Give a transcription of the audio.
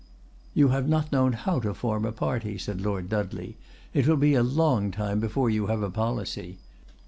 '" "You have not known how to form a party," said Lord Dudley; "it will be a long time yet before you have a policy.